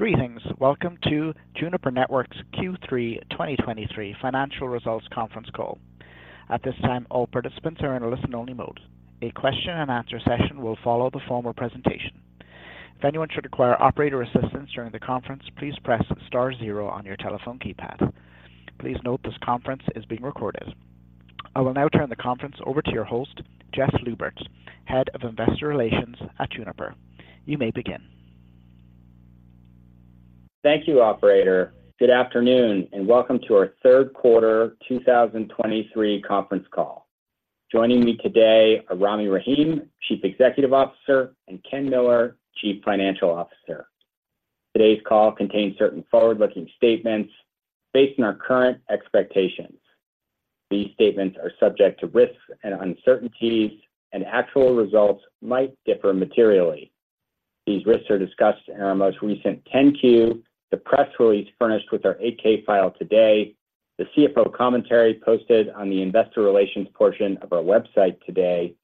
Greetings! Welcome to Juniper Networks Q3 2023 Financial Results conference call. At this time, all participants are in a listen-only mode. A question and answer session will follow the formal presentation. If anyone should require operator assistance during the conference, please press star zero on your telephone keypad. Please note, this conference is being recorded. I will now turn the conference over to your host, Jess Lubert, Head of Investor Relations at Juniper. You may begin. Thank you, operator. Good afternoon, and welcome to our Q3 2023 conference call. Joining me today are Rami Rahim, Chief Executive Officer, and Ken Miller, Chief Financial Officer. Today's call contains certain forward-looking statements based on our current expectations. These statements are subject to risks and uncertainties, and actual results might differ materially. These risks are discussed in our most recent 10-Q, the press release furnished with our 8-K file today, the CFO commentary posted on the investor relations portion of our website today,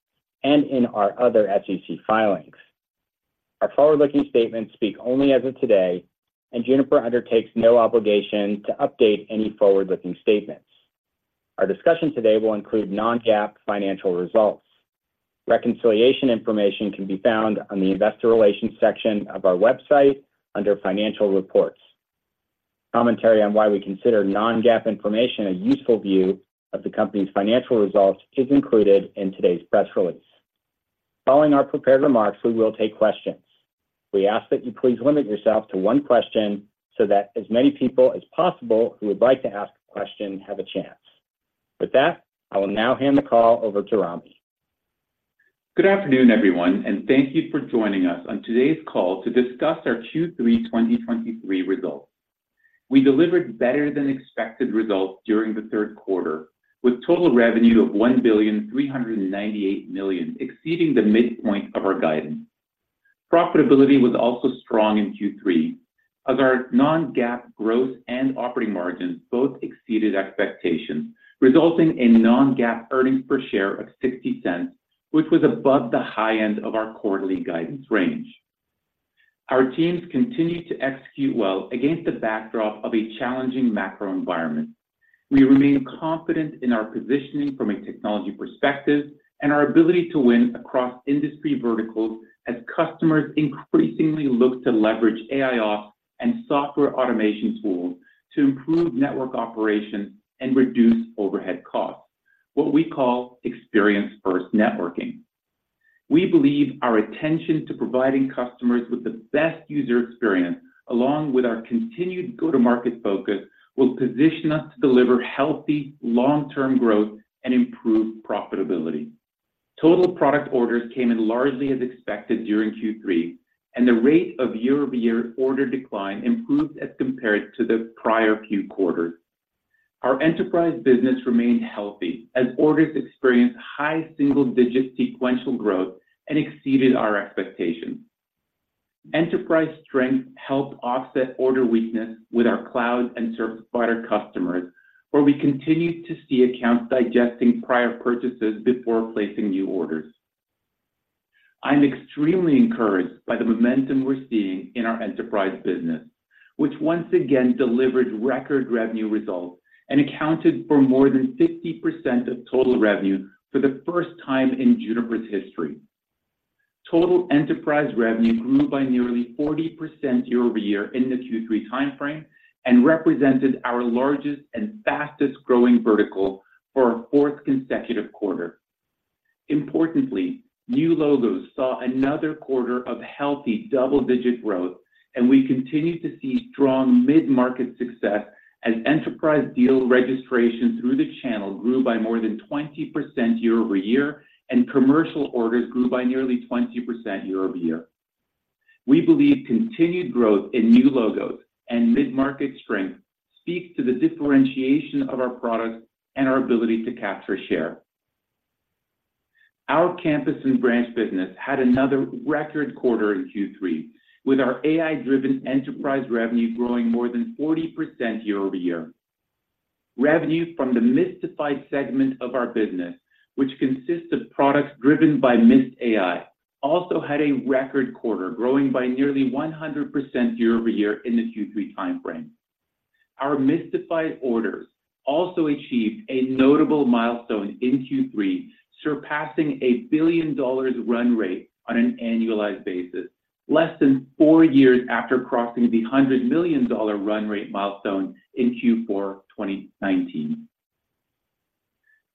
and in our other SEC filings. Our forward-looking statements speak only as of today, and Juniper undertakes no obligation to update any forward-looking statements. Our discussion today will include non-GAAP financial results. Reconciliation information can be found on the investor relations section of our website under Financial Reports. Commentary on why we consider non-GAAP information a useful view of the company's financial results is included in today's press release. Following our prepared remarks, we will take questions. We ask that you please limit yourself to one question so that as many people as possible who would like to ask a question have a chance. With that, I will now hand the call over to Rami. Good afternoon, everyone, and thank you for joining us on today's call to discuss our Q3 2023 results. We delivered better than expected results during the Q3, with total revenue of $1,398 million, exceeding the midpoint of our guidance. Profitability was also strong in Q3, as our non-GAAP growth and operating margins both exceeded expectations, resulting in non-GAAP earnings per share of $0.60, which was above the high end of our quarterly guidance range. Our teams continued to execute well against the backdrop of a challenging macro environment. We remain confident in our positioning from a technology perspective and our ability to win across industry verticals as customers increasingly look to leverage AIOps and software automation tools to improve network operations and reduce overhead costs, what we call experience-first networking. We believe our attention to providing customers with the best user experience, along with our continued go-to-market focus, will position us to deliver healthy, long-term growth and improve profitability. Total product orders came in largely as expected during Q3, and the rate of year-over-year order decline improved as compared to the prior few quarters. Our enterprise business remained healthy as orders experienced high single-digit sequential growth and exceeded our expectations. Enterprise strength helped offset order weakness with our cloud and service provider customers, where we continued to see accounts digesting prior purchases before placing new orders. I'm extremely encouraged by the momentum we're seeing in our enterprise business, which once again delivered record revenue results and accounted for more than 50% of total revenue for the first time in Juniper's history. Total enterprise revenue grew by nearly 40% year-over-year in the Q3 timeframe and represented our largest and fastest growing vertical for a fourth consecutive quarter. Importantly, new logos saw another quarter of healthy double-digit growth, and we continued to see strong mid-market success as enterprise deal registration through the channel grew by more than 20% year-over-year, and commercial orders grew by nearly 20% year-over-year. We believe continued growth in new logos and mid-market strength speaks to the differentiation of our products and our ability to capture share. Our campus and branch business had another record quarter in Q3, with our AI-driven enterprise revenue growing more than 40% year-over-year. Revenue from the Mistified segment of our business, which consists of products driven by Mist AI, also had a record quarter, growing by nearly 100% year-over-year in the Q3 timeframe. Our Mistified orders also achieved a notable milestone in Q3, surpassing a $1 billion run rate on an annualized basis, less than 4 years after crossing the $100 million run rate milestone in Q4 2019.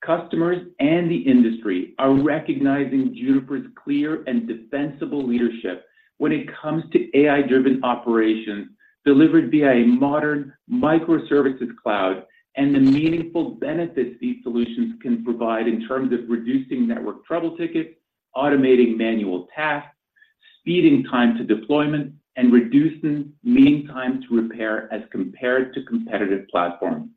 Customers and the industry are recognizing Juniper's clear and defensible leadership when it comes to AI-driven operations delivered via a modern microservices cloud and the meaningful benefits these solutions can provide in terms of reducing network trouble tickets, automating manual tasks, speeding time to deployment, and reducing mean time to repair as compared to competitive platforms.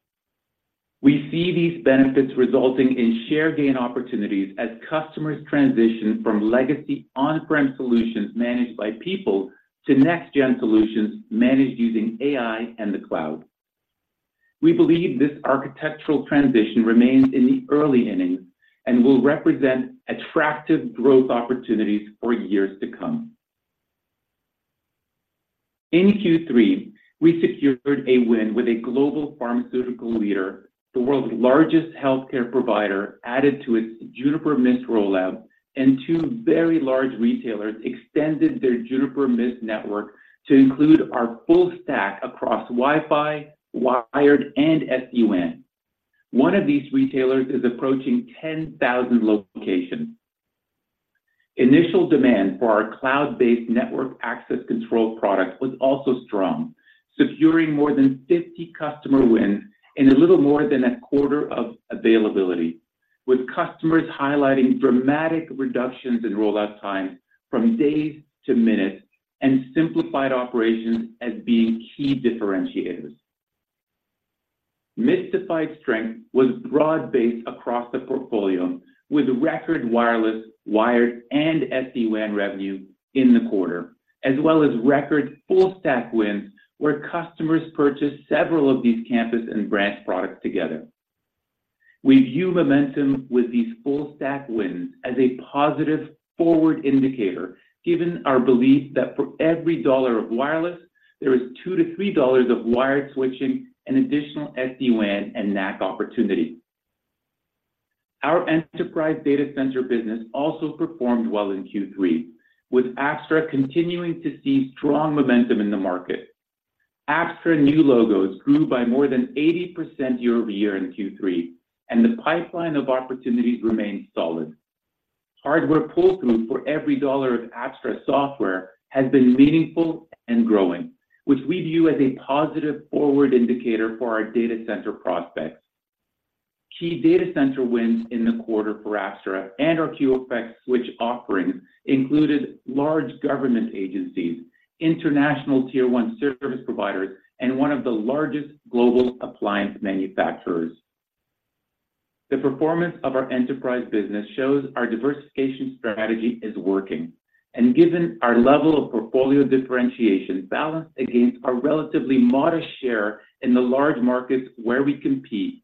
We see these benefits resulting in share gain opportunities as customers transition from legacy on-prem solutions managed by people to next-gen solutions managed using AI and the cloud. We believe this architectural transition remains in the early innings and will represent attractive growth opportunities for years to come. In Q3, we secured a win with a global pharmaceutical leader, the world's largest healthcare provider, added to its Juniper Mist rollout, and two very large retailers extended their Juniper Mist network to include our full stack across Wi-Fi, wired, and SD-WAN. One of these retailers is approaching 10,000 locations. Initial demand for our cloud-based network access control product was also strong, securing more than 50 customer wins in a little more than a quarter of availability, with customers highlighting dramatic reductions in rollout times from days to minutes and simplified operations as being key differentiators. Mistified strength was broad-based across the portfolio, with record wireless, wired, and SD-WAN revenue in the quarter, as well as record full stack wins, where customers purchased several of these campus and branch products together. We view momentum with these full stack wins as a positive forward indicator, given our belief that for every dollar of wireless, there is $2-$3 of wired switching and additional SD-WAN and NAC opportunity. Our enterprise data center business also performed well in Q3, with Apstra continuing to see strong momentum in the market. Apstra new logos grew by more than 80% year-over-year in Q3, and the pipeline of opportunities remains solid. Hardware pull-through for every dollar of Apstra software has been meaningful and growing, which we view as a positive forward indicator for our data center prospects. Key data center wins in the quarter for Apstra and our QFX switch offerings included large government agencies, international tier one service providers, and one of the largest global appliance manufacturers. The performance of our enterprise business shows our diversification strategy is working, and given our level of portfolio differentiation balanced against our relatively modest share in the large markets where we compete,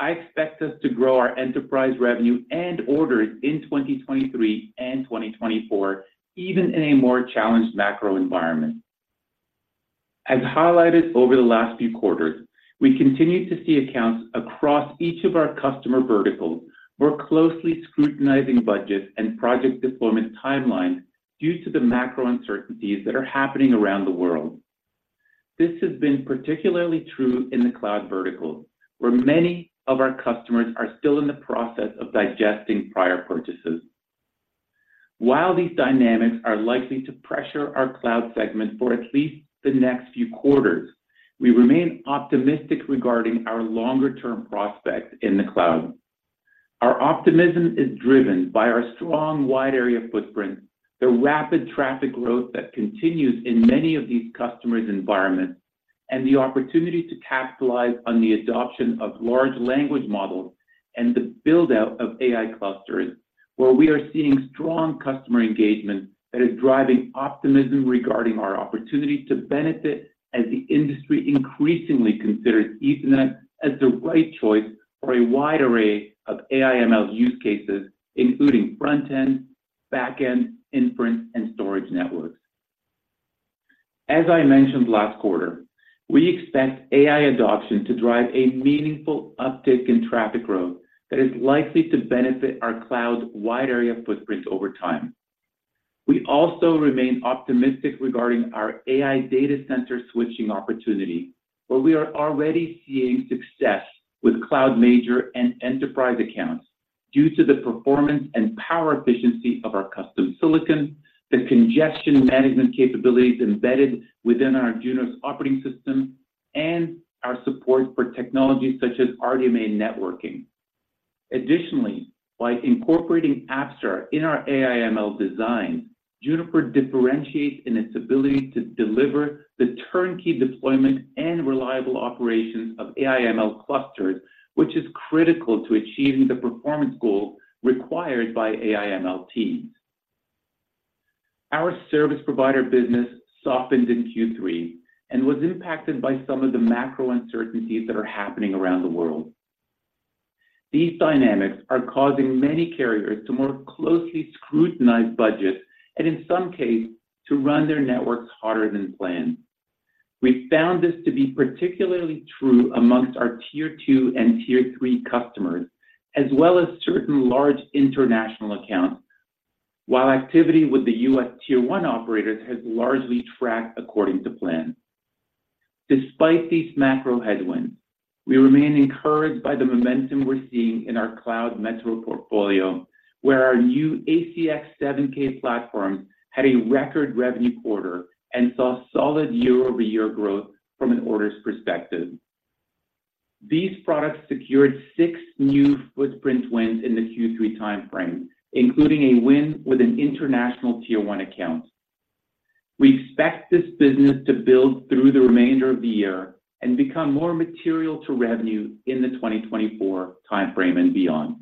I expect us to grow our enterprise revenue and orders in 2023 and 2024, even in a more challenged macro environment. As highlighted over the last few quarters, we continue to see accounts across each of our customer verticals more closely scrutinizing budgets and project deployment timelines due to the macro uncertainties that are happening around the world. This has been particularly true in the cloud vertical, where many of our customers are still in the process of digesting prior purchases. While these dynamics are likely to pressure our cloud segment for at least the next few quarters, we remain optimistic regarding our longer-term prospects in the cloud. Our optimism is driven by our strong wide-area footprint, the rapid traffic growth that continues in many of these customers' environments, and the opportunity to capitalize on the adoption of large language models and the build-out of AI clusters, where we are seeing strong customer engagement that is driving optimism regarding our opportunity to benefit as the industry increasingly considers Ethernet as the right choice for a wide array of AI/ML use cases, including front end, back end, inference, and storage networks. As I mentioned last quarter, we expect AI adoption to drive a meaningful uptick in traffic growth that is likely to benefit our cloud's wide-area footprint over time. We also remain optimistic regarding our AI data center switching opportunity, where we are already seeing success with cloud major and enterprise accounts due to the performance and power efficiency of our custom silicon, the congestion management capabilities embedded within our Junos operating system, and our support for technologies such as RDMA networking. Additionally, by incorporating Apstra in our AI/ML design, Juniper differentiates in its ability to deliver the turnkey deployment and reliable operations of AI/ML clusters, which is critical to achieving the performance goals required by AI/ML teams. Our service provider business softened in Q3 and was impacted by some of the macro uncertainties that are happening around the world. These dynamics are causing many carriers to more closely scrutinize budgets and, in some cases, to run their networks harder than planned. We found this to be particularly true among our tier two and tier three customers, as well as certain large international accounts, while activity with the US tier one operators has largely tracked according to plan. Despite these macro headwinds, we remain encouraged by the momentum we're seeing in our cloud metro portfolio, where our new ACX 7-K platform had a record revenue quarter and saw solid year-over-year growth from an orders perspective. These products secured six new footprint wins in the Q3 time frame, including a win with an international tier one account. We expect this business to build through the remainder of the year and become more material to revenue in the 2024 time frame and beyond.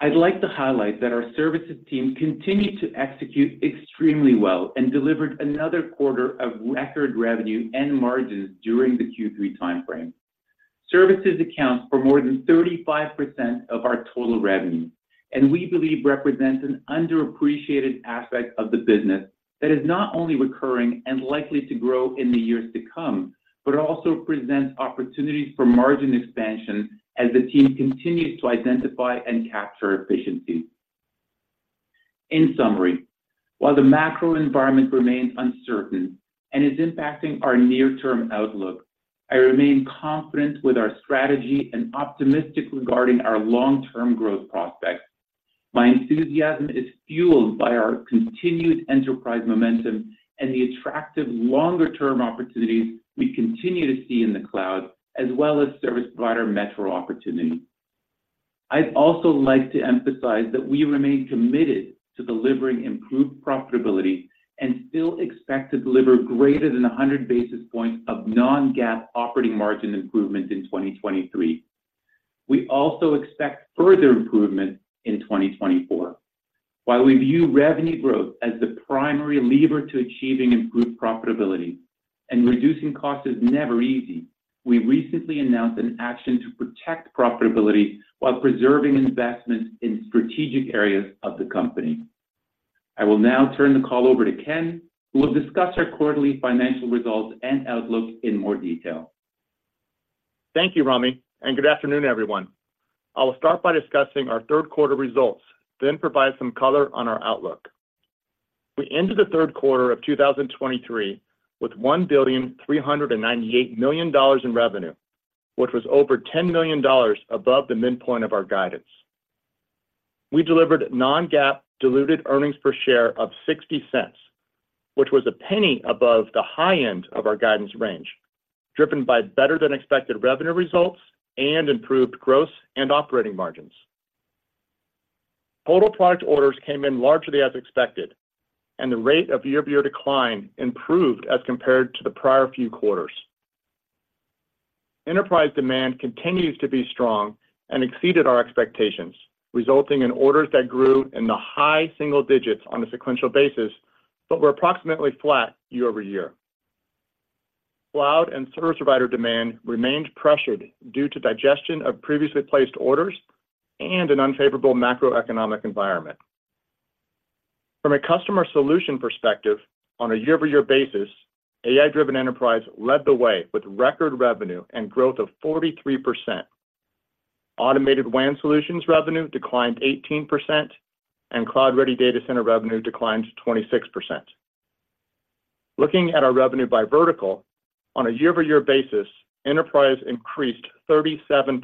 I'd like to highlight that our services team continued to execute extremely well and delivered another quarter of record revenue and margins during the Q3 timeframe. Services accounts for more than 35% of our total revenue, and we believe represents an underappreciated aspect of the business that is not only recurring and likely to grow in the years to come, but also presents opportunities for margin expansion as the team continues to identify and capture efficiencies. In summary, while the macro environment remains uncertain and is impacting our near-term outlook, I remain confident with our strategy and optimistic regarding our long-term growth prospects. My enthusiasm is fueled by our continued enterprise momentum and the attractive longer-term opportunities we continue to see in the cloud, as well as service provider metro opportunities. I'd also like to emphasize that we remain committed to delivering improved profitability and still expect to deliver greater than 100 basis points of non-GAAP operating margin improvement in 2023. We also expect further improvement in 2024. While we view revenue growth as the primary lever to achieving improved profitability, and reducing costs is never easy, we recently announced an action to protect profitability while preserving investments in strategic areas of the company. I will now turn the call over to Ken, who will discuss our quarterly financial results and outlook in more detail. Thank you, Rami, and good afternoon, everyone. I will start by discussing our Q3 results, then provide some color on our outlook. We ended the Q3 of 2023 with $1.398 billion in revenue, which was over $10 million above the midpoint of our guidance. We delivered non-GAAP diluted earnings per share of $0.60, which was $0.01 above the high end of our guidance range, driven by better-than-expected revenue results and improved gross and operating margins. Total product orders came in largely as expected, and the rate of year-over-year decline improved as compared to the prior few quarters. Enterprise demand continues to be strong and exceeded our expectations, resulting in orders that grew in the high single digits on a sequential basis but were approximately flat year over year. Cloud and service provider demand remained pressured due to digestion of previously placed orders and an unfavorable macroeconomic environment. From a customer solution perspective, on a year-over-year basis, AI-driven enterprise led the way with record revenue and growth of 43%. Automated WAN solutions revenue declined 18%, and cloud-ready data center revenue declined 26%. Looking at our revenue by vertical, on a year-over-year basis, enterprise increased 37%.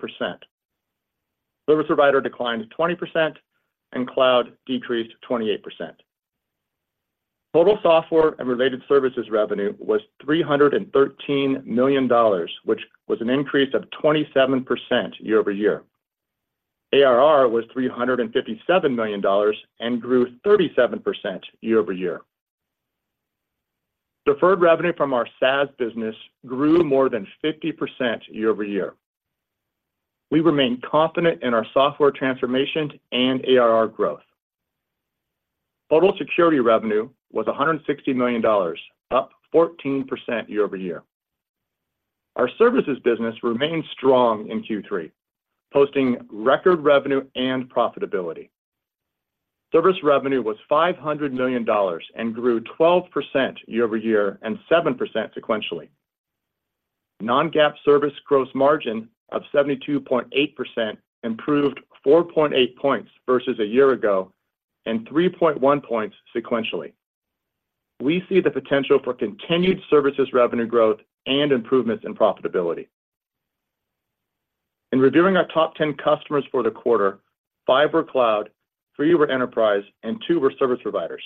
Service provider declined 20%, and cloud decreased 28%. Total software and related services revenue was $313 million, which was an increase of 27% year-over-year. ARR was $357 million and grew 37% year-over-year. Deferred revenue from our SaaS business grew more than 50% year-over-year. We remain confident in our software transformation and ARR growth. Total security revenue was $160 million, up 14% year-over-year. Our services business remained strong in Q3, posting record revenue and profitability. Service revenue was $500 million and grew 12% year-over-year and 7% sequentially. Non-GAAP service gross margin of 72.8% improved 4.8 percentage points versus a year ago and 3.1 percentage points sequentially. We see the potential for continued services revenue growth and improvements in profitability. In reviewing our top 10 customers for the quarter, five were cloud, three were enterprise, and two were service providers.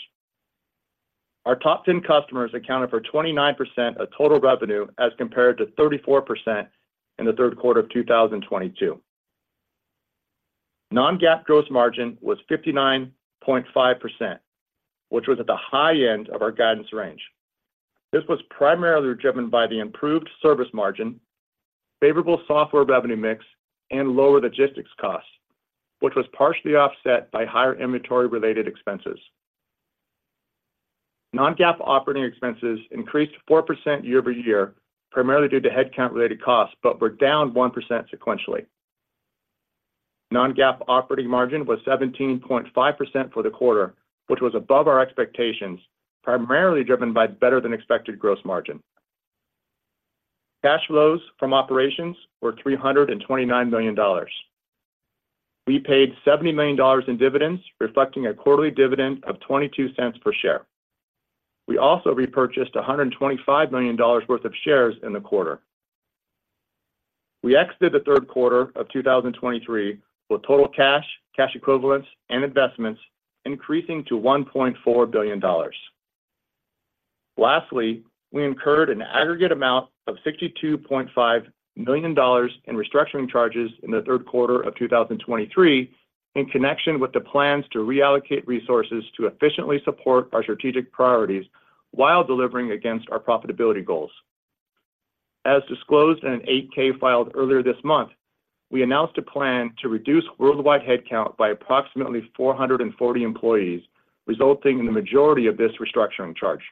Our top 10 customers accounted for 29% of total revenue, as compared to 34% in the Q3 of 2022. Non-GAAP gross margin was 59.5%, which was at the high end of our guidance range. This was primarily driven by the improved service margin, favorable software revenue mix, and lower logistics costs, which was partially offset by higher inventory-related expenses. Non-GAAP operating expenses increased 4% year-over-year, primarily due to headcount-related costs, but were down 1% sequentially. Non-GAAP operating margin was 17.5% for the quarter, which was above our expectations, primarily driven by better-than-expected gross margin. Cash flows from operations were $329 million. We paid $70 million in dividends, reflecting a quarterly dividend of $0.22 per share. We also repurchased $125 million worth of shares in the quarter. We exited the Q3 of 2023 with total cash, cash equivalents, and investments increasing to $1.4 billion. Lastly, we incurred an aggregate amount of $62.5 million in restructuring charges in the Q3 of 2023 in connection with the plans to reallocate resources to efficiently support our strategic priorities while delivering against our profitability goals. As disclosed in an 8-K filed earlier this month, we announced a plan to reduce worldwide headcount by approximately 440 employees, resulting in the majority of this restructuring charge.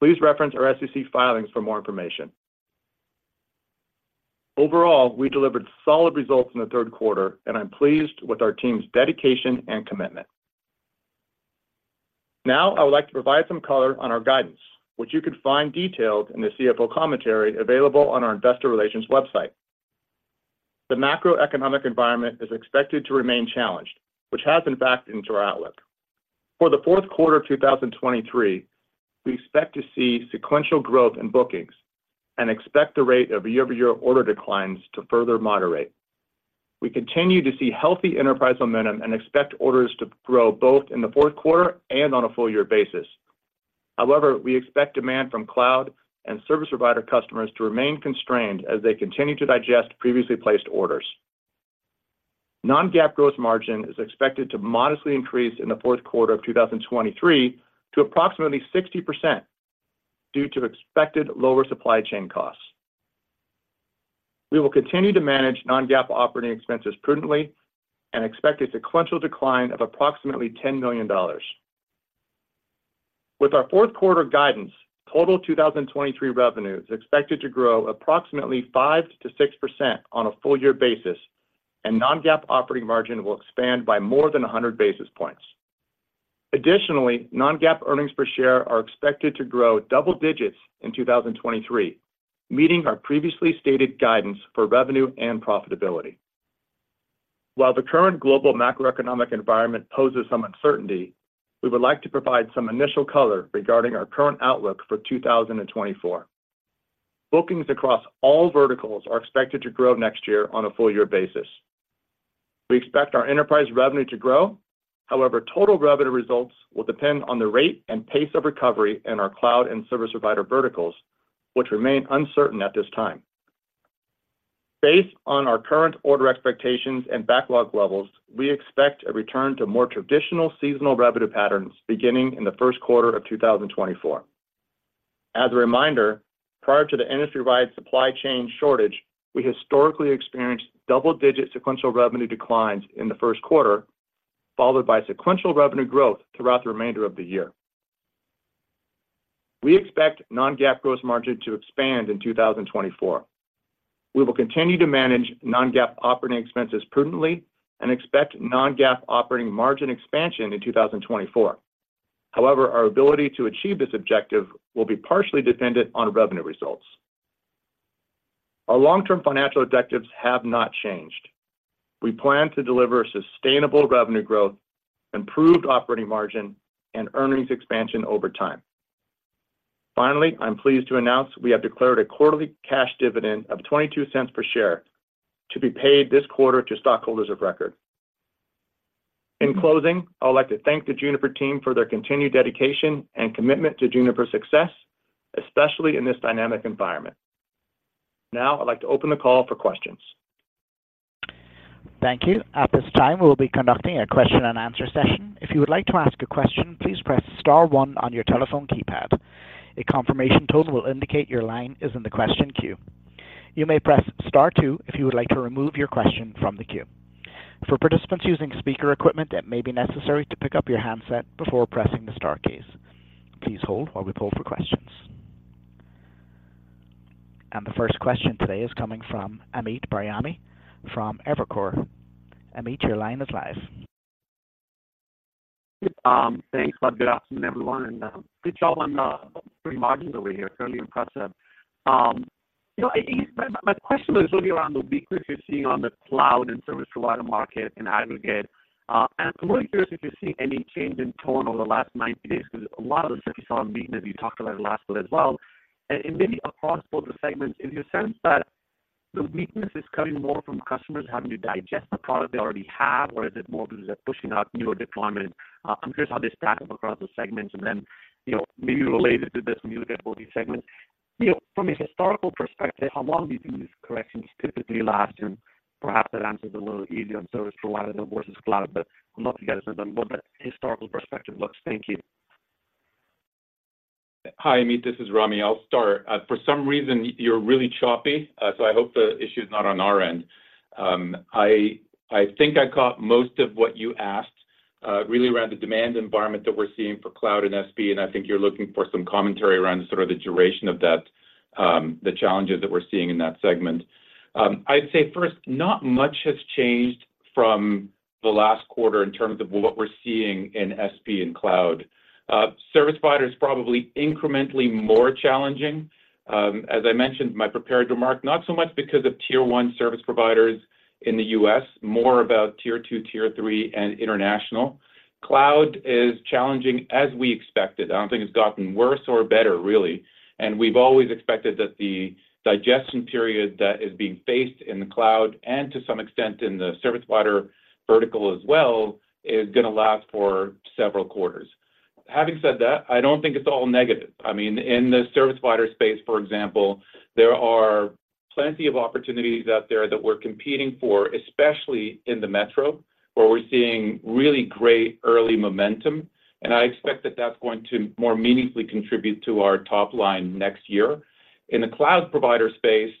Please reference our SEC filings for more information. Overall, we delivered solid results in theQ3, and I'm pleased with our team's dedication and commitment. Now, I would like to provide some color on our guidance, which you can find detailed in the CFO commentary available on our investor relations website. The macroeconomic environment is expected to remain challenged, which has been backed into our outlook. For the Q4 of 2023, we expect to see sequential growth in bookings and expect the rate of year-over-year order declines to further moderate. We continue to see healthy enterprise momentum and expect orders to grow both in theQ4 and on a full year basis. However, we expect demand from cloud and service provider customers to remain constrained as they continue to digest previously placed orders. Non-GAAP gross margin is expected to modestly increase in the Q4 of 2023 to approximately 60% due to expected lower supply chain costs. We will continue to manage non-GAAP operating expenses prudently and expect a sequential decline of approximately $10 million. With our Q4 guidance, total 2023 revenue is expected to grow approximately 5%-6% on a full year basis, and non-GAAP operating margin will expand by more than 100 basis points. Additionally, non-GAAP earnings per share are expected to grow double digits in 2023, meeting our previously stated guidance for revenue and profitability. While the current global macroeconomic environment poses some uncertainty, we would like to provide some initial color regarding our current outlook for 2024. Bookings across all verticals are expected to grow next year on a full year basis. We expect our enterprise revenue to grow. However, total revenue results will depend on the rate and pace of recovery in our cloud and service provider verticals, which remain uncertain at this time. Based on our current order expectations and backlog levels, we expect a return to more traditional seasonal revenue patterns beginning in the Q1 of 2024. As a reminder, prior to the industry-wide supply chain shortage, we historically experienced double-digit sequential revenue declines in the Q1, followed by sequential revenue growth throughout the remainder of the year. We expect non-GAAP gross margin to expand in 2024. We will continue to manage non-GAAP operating expenses prudently and expect non-GAAP operating margin expansion in 2024. However, our ability to achieve this objective will be partially dependent on revenue results. Our long-term financial objectives have not changed. We plan to deliver sustainable revenue growth, improved operating margin, and earnings expansion over time. Finally, I'm pleased to announce we have declared a quarterly cash dividend of $0.22 per share to be paid this quarter to stockholders of record. In closing, I'd like to thank the Juniper team for their continued dedication and commitment to Juniper's success, especially in this dynamic environment. Now, I'd like to open the call for questions. Thank you. At this time, we will be conducting a question and answer session. If you would like to ask a question, please press star one on your telephone keypad. A confirmation tone will indicate your line is in the question queue. You may press star two if you would like to remove your question from the queue. For participants using speaker equipment, it may be necessary to pick up your handset before pressing the star keys. Please hold while we poll for questions. The first question today is coming from Amit Daryanani from Evercore. Amit, your line is live. Thanks, bud. Good afternoon, everyone, and good job on the free margins over here. Fairly impressive. You know, I think my question is really around the weakness you're seeing on the cloud and service provider market in aggregate. And I'm really curious if you're seeing any change in tone over the last 90 days, because a lot of the service provider weakness you talked about last quarter as well. And maybe across both the segments, is your sense that the weakness is coming more from customers having to digest the product they already have, or is it more because they're pushing out newer deployment? I'm curious how they stack up across the segments and then, you know, maybe related to this new segment. You know, from a historical perspective, how long do you think these corrections typically last? Perhaps that answers a little easier on service provider versus cloud, but I'd love to get what the historical perspective looks. Thank you. Hi, Amit, this is Rami. I'll start. For some reason, you're really choppy, so I hope the issue is not on our end. I think I caught most of what you asked, really around the demand environment that we're seeing for cloud and SP, and I think you're looking for some commentary around sort of the duration of that, the challenges that we're seeing in that segment. I'd say first, not much has changed from the last quarter in terms of what we're seeing in SP and cloud. Service provider is probably incrementally more challenging. As I mentioned in my prepared remark, not so much because of tier one service providers in the U.S., more about tier two, tier three, and international. Cloud is challenging as we expected. I don't think it's gotten worse or better, really. We've always expected that the digestion period that is being faced in the cloud and to some extent in the service provider vertical as well, is going to last for several quarters. Having said that, I don't think it's all negative. I mean, in the service provider space, for example, there are plenty of opportunities out there that we're competing for, especially in the metro, where we're seeing really great early momentum, and I expect that that's going to more meaningfully contribute to our top line next year. In the cloud provider space,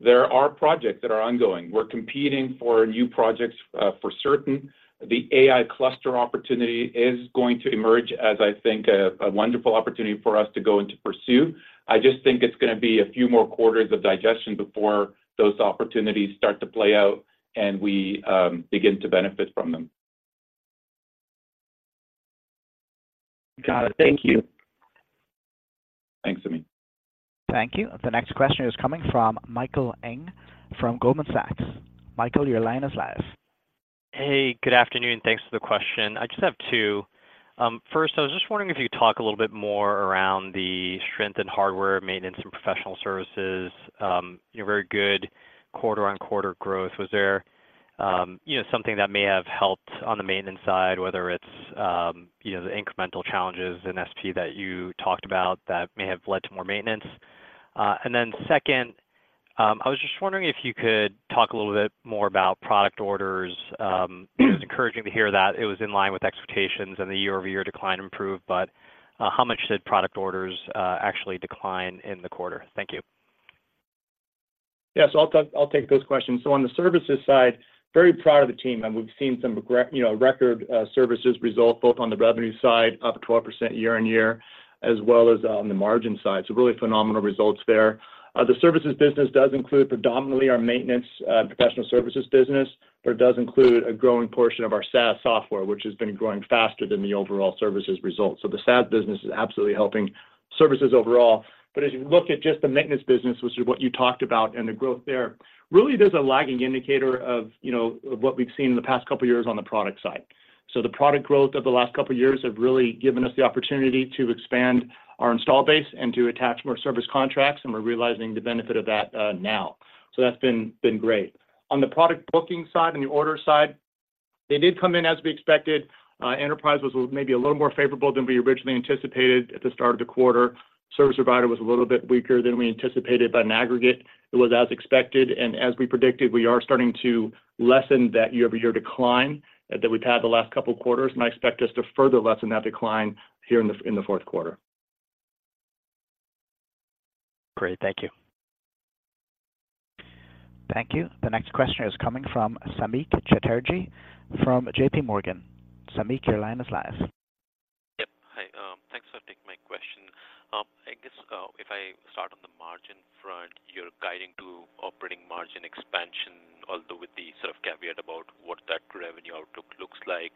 there are projects that are ongoing. We're competing for new projects, for certain. The AI cluster opportunity is going to emerge as, I think, a wonderful opportunity for us to go in to pursue. I just think it's gonna be a few more quarters of digestion before those opportunities start to play out and we begin to benefit from them. Got it. Thank you. Thanks, Amit. Thank you. The next question is coming from Michael Ng from Goldman Sachs. Michael, your line is live. Hey, good afternoon. Thanks for the question. I just have two. First, I was just wondering if you could talk a little bit more around the strength in hardware, maintenance, and professional services. You know, very good quarter-on-quarter growth. Was there, you know, something that may have helped on the maintenance side, whether it's, you know, the incremental challenges in SP that you talked about that may have led to more maintenance? And then second, I was just wondering if you could talk a little bit more about product orders. It was encouraging to hear that it was in line with expectations and the year-over-year decline improved, but, how much did product orders actually decline in the quarter? Thank you. Yeah, I'll take those questions. On the services side, very proud of the team, and we've seen some great, you know, record services results, both on the revenue side, up 12% year-over-year, as well as on the margin side. Really phenomenal results there. The services business does include predominantly our maintenance, professional services business, but it does include a growing portion of our SaaS software, which has been growing faster than the overall services results. The SaaS business is absolutely helping services overall. As you look at just the maintenance business, which is what you talked about, and the growth there, really, there's a lagging indicator of, you know, of what we've seen in the past couple of years on the product side. So the product growth of the last couple of years have really given us the opportunity to expand our install base and to attach more service contracts, and we're realizing the benefit of that now. So that's been great. On the product booking side and the order side, they did come in as we expected. Enterprise was maybe a little more favorable than we originally anticipated at the start of the quarter. Service provider was a little bit weaker than we anticipated, but in aggregate, it was as expected, and as we predicted, we are starting to lessen that year-over-year decline that we've had the last couple of quarters, and I expect us to further lessen that decline here in the Q4. Great. Thank you. Thank you. The next question is coming from Samik Chatterjee from JP Morgan. Samik, your line is live. Yep. Hi, thanks for taking my question. I guess, if I start on the margin front, you're guiding to operating margin expansion, although with the sort of caveat about what that revenue outlook looks like.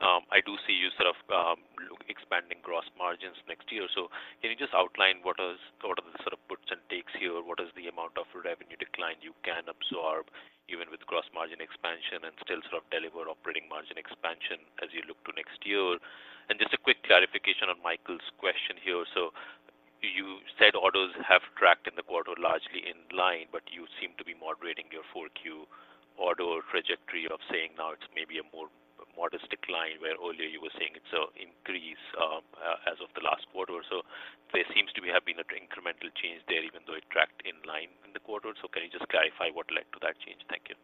I do see you sort of look expanding gross margins next year. Can you just outline what is sort of the sort of puts and takes here? What is the amount of revenue decline you can absorb, even with gross margin expansion and still sort of deliver operating margin expansion as you look to next year? Just a quick clarification on Michael's question here. So you said orders have tracked in the quarter largely in line, but you seem to be moderating your full Q order trajectory of saying now it's maybe a more modest decline, where earlier you were saying it's an increase, as of the last quarter. So there seems to have been an incremental change there, even though it tracked in line in the quarter. So can you just clarify what led to that change? Thank you.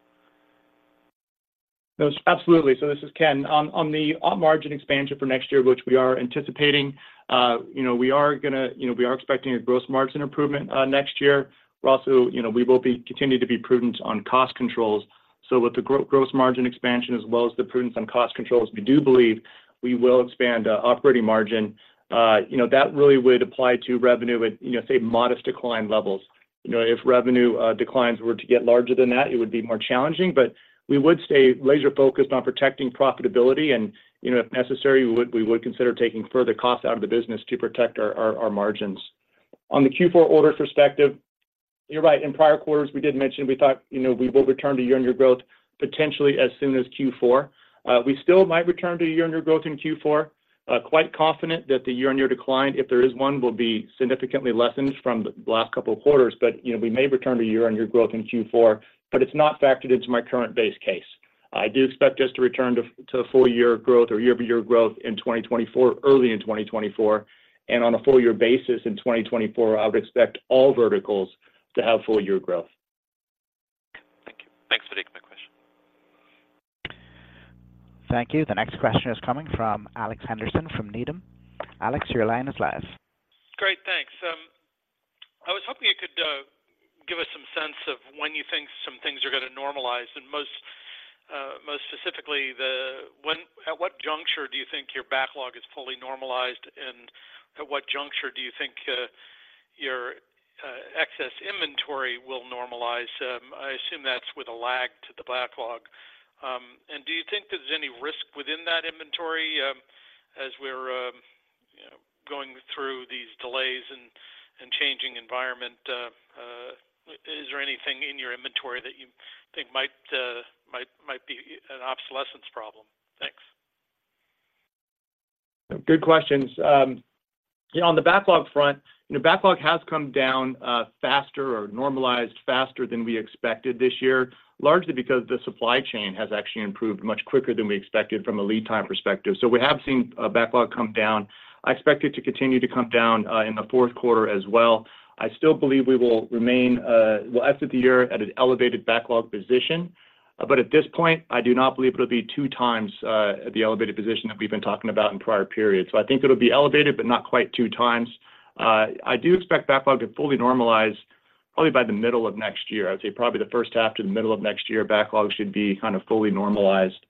Yes, absolutely. So this is Ken. On the margin expansion for next year, which we are anticipating, you know, we are gonna. You know, we are expecting a gross margin improvement next year. We're also, you know, we will continue to be prudent on cost controls. So with the gross margin expansion as well as the prudence on cost controls, we do believe we will expand operating margin. You know, that really would apply to revenue at, you know, say, modest decline levels. You know, if revenue declines were to get larger than that, it would be more challenging, but we would stay laser focused on protecting profitability, and, you know, if necessary, we would consider taking further costs out of the business to protect our margins. On the Q4 orders perspective, you're right. In prior quarters, we did mention we thought, you know, we will return to year-on-year growth, potentially as soon as Q4. We still might return to year-on-year growth in Q4. Quite confident that the year-on-year decline, if there is one, will be significantly lessened from the last couple of quarters. But, you know, we may return to year-on-year growth in Q4, but it's not factored into my current base case. I do expect us to return to a full year growth or year-over-year growth in 2024, early in 2024, and on a full year basis in 2024, I would expect all verticals to have full year growth. Thank you. Thanks for taking my question. Thank you. The next question is coming from Alex Henderson from Needham. Alex, your line is live. Great, thanks. I was hoping you could give us some sense of when you think some things are gonna normalize, and most specifically, at what juncture do you think your backlog is fully normalized, and at what juncture do you think your excess inventory will normalize? I assume that's with a lag to the backlog. And do you think there's any risk within that inventory, as we're, you know, going through these delays and changing environment, is there anything in your inventory that you think might, might, might be an obsolescence problem? Thanks. Good questions. Yeah, on the backlog front, you know, backlog has come down faster or normalized faster than we expected this year, largely because the supply chain has actually improved much quicker than we expected from a lead time perspective. So we have seen backlog come down. I expect it to continue to come down in the Q4 as well. I still believe we will remain, we'll exit the year at an elevated backlog position, but at this point, I do not believe it'll be two times the elevated position that we've been talking about in prior periods. So I think it'll be elevated, but not quite two times. I do expect backlog to fully normalize probably by the middle of next year. I would say probably the first half to the middle of next year, backlog should be kind of fully normalized.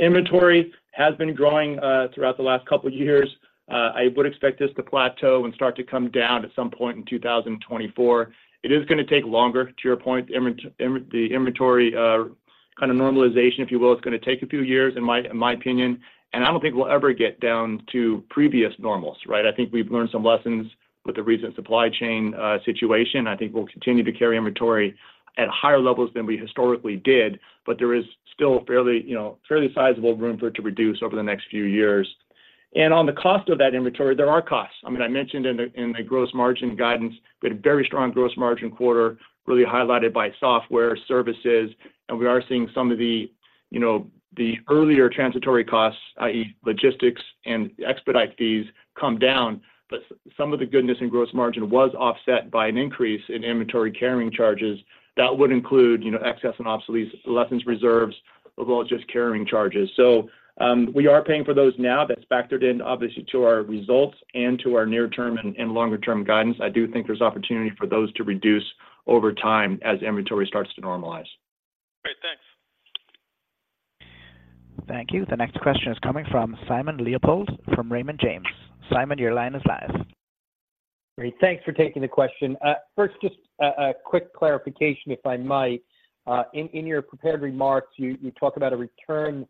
Inventory has been growing throughout the last couple of years. I would expect this to plateau and start to come down at some point in 2024. It is going to take longer, to your point, the inventory kind of normalization, if you will, it's going to take a few years, in my opinion, and I don't think we'll ever get down to previous normals, right? I think we've learned some lessons with the recent supply chain situation. I think we'll continue to carry inventory at higher levels than we historically did, but there is still fairly, you know, fairly sizable room for it to reduce over the next few years. On the cost of that inventory, there are costs. I mean, I mentioned in the gross margin guidance, we had a very strong gross margin quarter, really highlighted by software services, and we are seeing some of the, you know, the earlier transitory costs, i.e., logistics and expedite fees, come down. Some of the goodness in gross margin was offset by an increase in inventory carrying charges that would include, you know, excess and obsolescence reserves, as well as just carrying charges. We are paying for those now. That's factored in, obviously, to our results and to our near-term and longer-term guidance. I do think there's opportunity for those to reduce over time as inventory starts to normalize. Great, thanks. Thank you. The next question is coming from Simon Leopold from Raymond James. Simon, your line is live. Great, thanks for taking the question. First, just a quick clarification, if I might. In your prepared remarks, you talk about a return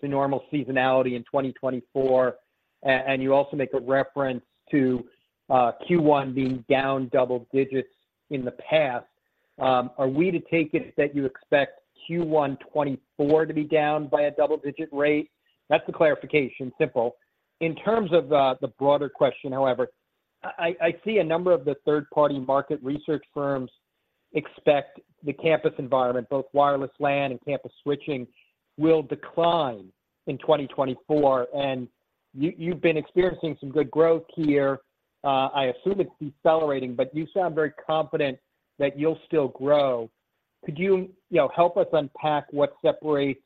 to normal seasonality in 2024, and you also make a reference to Q1 being down double digits in the past. Are we to take it that you expect Q1 2024 to be down by a double-digit rate? That's the clarification. Simple. In terms of the broader question, however, I see a number of the third-party market research firms expect the campus environment, both wireless LAN and campus switching, will decline in 2024, and you've been experiencing some good growth here. I assume it's decelerating, but you sound very confident that you'll still grow. Could you, you know, help us unpack what separates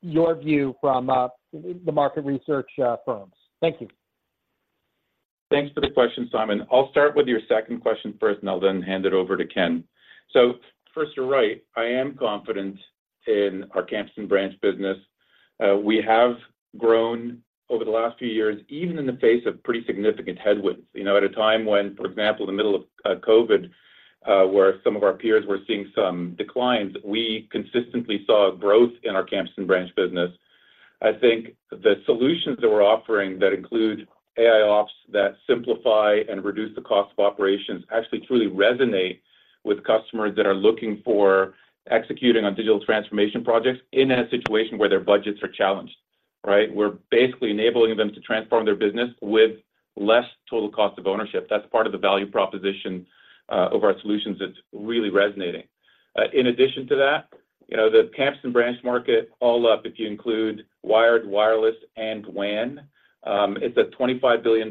your view from the market research firms? Thank you. Thanks for the question, Simon. I'll start with your second question first, and I'll then hand it over to Ken. So first, you're right, I am confident in our Campus and Branch business. We have grown over the last few years, even in the face of pretty significant headwinds. You know, at a time when, for example, in the middle of COVID, where some of our peers were seeing some declines, we consistently saw growth in our Campus and Branch business. I think the solutions that we're offering that include AIOps, that simplify and reduce the cost of operations, actually truly resonate with customers that are looking for executing on digital transformation projects in a situation where their budgets are challenged, right? We're basically enabling them to transform their business with less total cost of ownership. That's part of the value proposition of our solutions that's really resonating. In addition to that, you know, the campus and branch market all up, if you include wired, wireless, and WAN, it's a $25 billion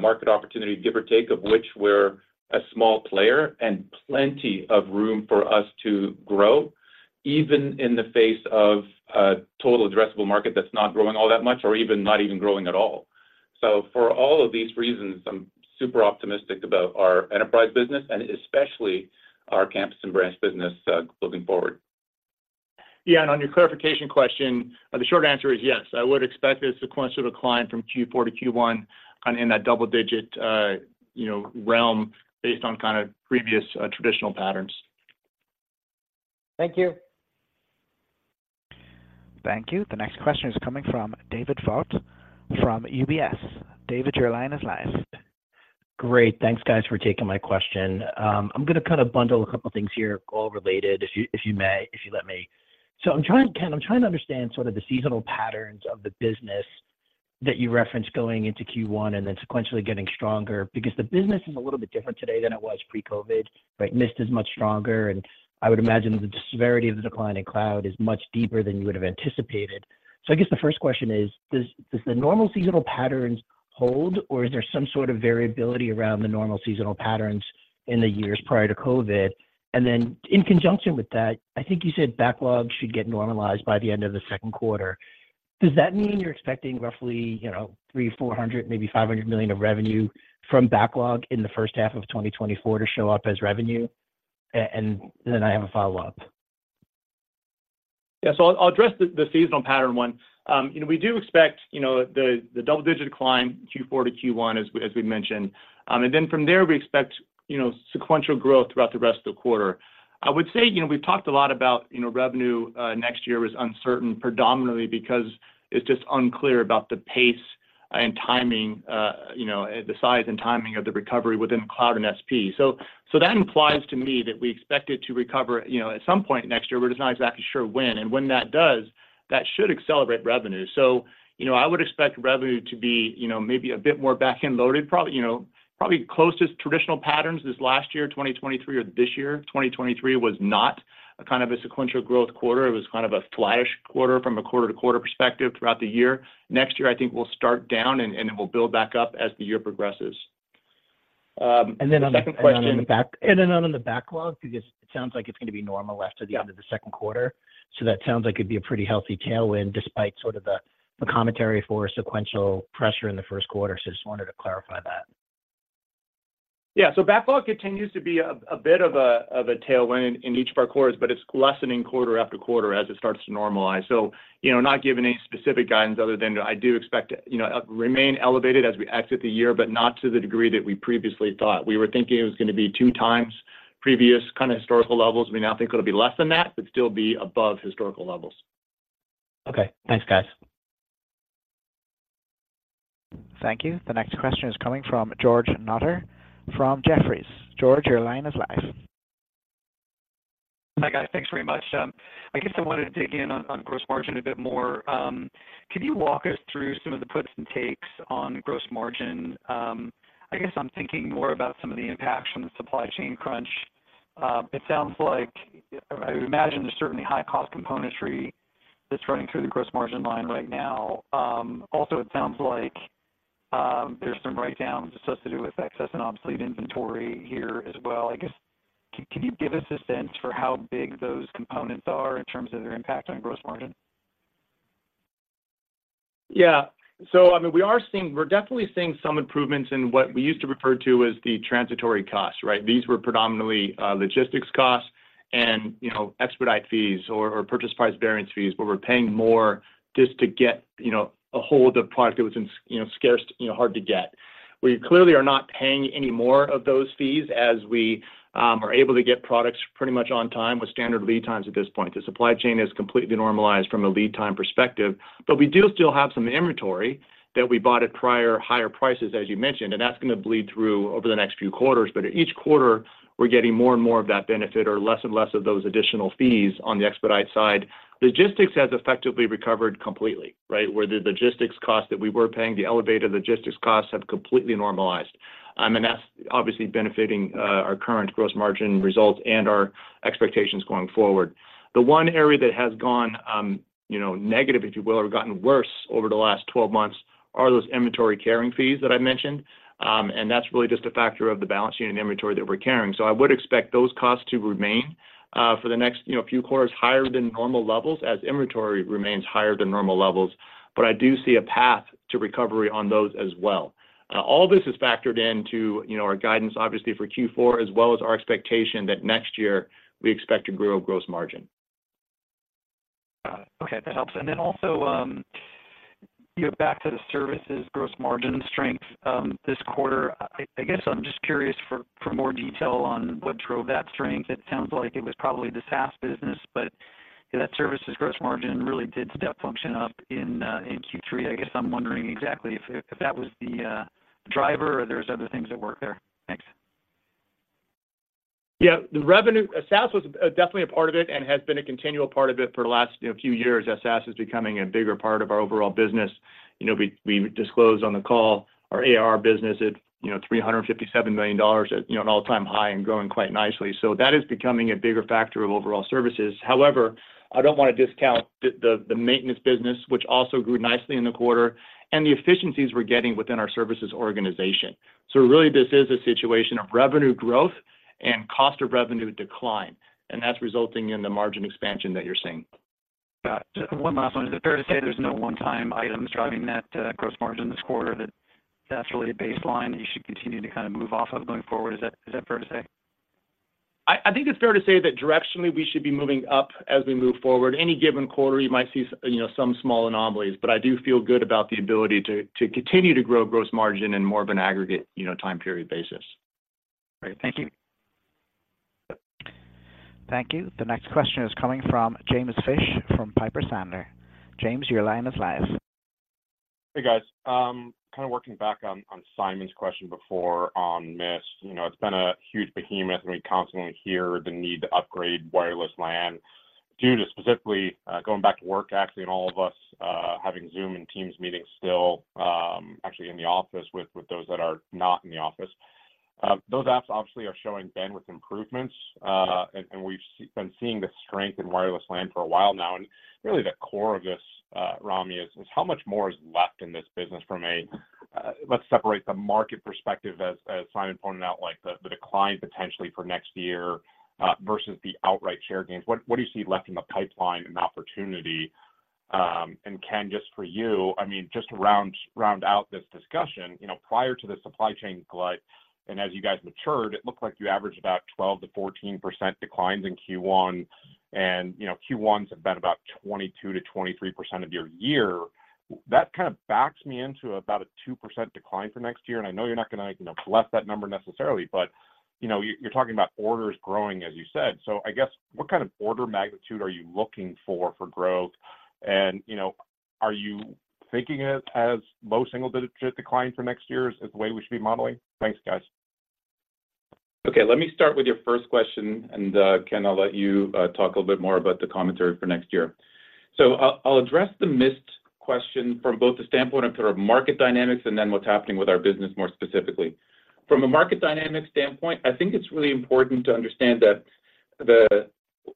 market opportunity, give or take, of which we're a small player, and plenty of room for us to grow, even in the face of a total addressable market that's not growing all that much or even not even growing at all. So for all of these reasons, I'm super optimistic about our enterprise business and especially our campus and branch business looking forward. Yeah, and on your clarification question, the short answer is yes. I would expect a sequential decline from Q4 to Q1, in that double-digit, you know, realm based on kind of previous, traditional patterns. Thank you. Thank you. The next question is coming from David Vogt from UBS. David, your line is live. Great. Thanks, guys, for taking my question. I'm going to kind of bundle a couple of things here, all related, if you, if you may, if you let me. So I'm trying, Ken, I'm trying to understand sort of the seasonal patterns of the business that you referenced going into Q1 and then sequentially getting stronger, because the business is a little bit different today than it was pre-COVID, right? Mist is much stronger, and I would imagine the severity of the decline in cloud is much deeper than you would have anticipated. So I guess the first question is, does the normal seasonal patterns hold, or is there some sort of variability around the normal seasonal patterns in the years prior to COVID? And then in conjunction with that, I think you said backlog should get normalized by the end of the Q2. Does that mean you're expecting roughly, you know, $300-$500 million of revenue from backlog in the first half of 2024 to show up as revenue? And then I have a follow-up. Yeah, so I'll address the seasonal pattern one. You know, we do expect the double-digit decline Q4 to Q1, as we mentioned. And then from there, we expect sequential growth throughout the rest of the quarter. I would say, you know, we've talked a lot about revenue. Next year is uncertain, predominantly because it's just unclear about the pace and timing, you know, the size and timing of the recovery within cloud and SP. So that implies to me that we expect it to recover, you know, at some point next year. We're just not exactly sure when. And when that does, that should accelerate revenue. So, you know, I would expect revenue to be, you know, maybe a bit more back-end loaded, probably, you know, probably closest traditional patterns this last year, 2023 or this year. 2023 was not a kind of a sequential growth quarter. It was kind of a flat-ish quarter from a quarter-to-quarter perspective throughout the year. Next year, I think we'll start down and, and it will build back up as the year progresses. And then the second question- Then on the backlog, because it sounds like it's gonna be normal after the end of the Q2. So that sounds like it'd be a pretty healthy tailwind, despite sort of the commentary for sequential pressure in the Q1. So just wanted to clarify that. Yeah. So backlog continues to be a bit of a tailwind in each of our quarters, but it's lessening quarter after quarter as it starts to normalize. So, you know, not giving any specific guidance other than I do expect it, you know, remain elevated as we exit the year, but not to the degree that we previously thought. We were thinking it was gonna be two times previous kind of historical levels. We now think it'll be less than that, but still be above historical levels. Okay. Thanks, guys. Thank you. The next question is coming from George Notter from Jefferies. George, your line is live. Hi, guys. Thanks very much. I guess I wanted to dig in on, on gross margin a bit more. Can you walk us through some of the puts and takes on gross margin? I guess I'm thinking more about some of the impacts from the supply chain crunch. It sounds like, I would imagine there's certainly high-cost componentry that's running through the gross margin line right now. Also, it sounds like, there's some write-downs associated with excess and obsolete inventory here as well. I guess, can you give us a sense for how big those components are in terms of their impact on gross margin? Yeah. So I mean, we are seeing, we're definitely seeing some improvements in what we used to refer to as the transitory costs, right? These were predominantly, logistics costs and, you know, expedite fees or purchase price variance fees, where we're paying more just to get, you know, a hold of product that was in, you know, scarce, you know, hard to get. We clearly are not paying any more of those fees as we are able to get products pretty much on time with standard lead times at this point. The supply chain is completely normalized from a lead time perspective, but we do still have some inventory that we bought at prior higher prices, as you mentioned, and that's gonna bleed through over the next few quarters. But each quarter, we're getting more and more of that benefit or less and less of those additional fees on the expedite side. Logistics has effectively recovered completely, right? Where the logistics costs that we were paying, the elevated logistics costs, have completely normalized. And that's obviously benefiting our current gross margin results and our expectations going forward. The one area that has gone, you know, negative, if you will, or gotten worse over the last 12 months, are those inventory carrying fees that I mentioned. And that's really just a factor of the balance sheet and inventory that we're carrying. So I would expect those costs to remain, for the next, you know, few quarters, higher than normal levels, as inventory remains higher than normal levels, but I do see a path to recovery on those as well. All this is factored into, you know, our guidance, obviously for Q4, as well as our expectation that next year we expect to grow gross margin. Got it. Okay, that helps. And then also, you know, back to the services gross margin strength, this quarter, I guess I'm just curious for more detail on what drove that strength. It sounds like it was probably the SaaS business, but that services gross margin really did step function up in Q3. I guess I'm wondering exactly if that was the driver or there's other things at work there. Thanks. Yeah, the revenue, SaaS was definitely a part of it and has been a continual part of it for the last, you know, few years. SaaS is becoming a bigger part of our overall business. You know, we, we disclosed on the call our AR business at, you know, $357 million, at, you know, an all-time high and growing quite nicely. So that is becoming a bigger factor of overall services. However, I don't want to discount the maintenance business, which also grew nicely in the quarter, and the efficiencies we're getting within our services organization. So really, this is a situation of revenue growth and cost of revenue decline, and that's resulting in the margin expansion that you're seeing. Got it. One last one. Is it fair to say there's no one-time items driving that, gross margin this quarter, that that's really a baseline that you should continue to kind of move off of going forward? Is that, is that fair to say? I think it's fair to say that directionally, we should be moving up as we move forward. Any given quarter, you might see some, you know, some small anomalies, but I do feel good about the ability to continue to grow gross margin in more of an aggregate, you know, time period basis. Great. Thank you. Thank you. The next question is coming from James Fish from Piper Sandler. James, your line is live. Hey, guys. Kind of working back on Simon's question before on Mist. You know, it's been a huge behemoth, and we constantly hear the need to upgrade wireless LAN due to specifically going back to work, actually, and all of us having Zoom and Teams meetings still, actually in the office with those that are not in the office. Those apps obviously are showing bandwidth improvements, and we've been seeing the strength in wireless LAN for a while now. And really, the core of this, Rami, is how much more is left in this business from a, let's separate the market perspective, as Simon pointed out, like the decline potentially for next year versus the outright share gains. What do you see left in the pipeline and opportunity? And Ken, just for you, I mean, just to round out this discussion, you know, prior to the supply chain glut, and as you guys matured, it looked like you averaged about 12%-14% declines in Q1, and, you know, Q1s have been about 22%-23% of your year. That kind of backs me into about a 2% decline for next year. And I know you're not gonna, you know, bless that number necessarily, but, you know, you're talking about orders growing, as you said. So I guess, what kind of order magnitude are you looking for for growth? And, you know, are you thinking it as low single-digit decline for next year as the way we should be modeling? Thanks, guys. Okay, let me start with your first question, and Ken, I'll let you talk a little bit more about the commentary for next year. I'll address the Mist question from both the standpoint of sort of market dynamics and then what's happening with our business more specifically. From a market dynamic standpoint, I think it's really important to understand that the,